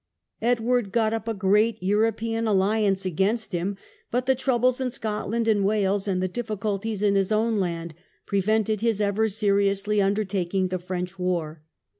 Edward got up a great European alliance against him; but the troubles in Scot land and Wales, and the difficulties in his own land, pre vented his ever seriously undertaking the French war.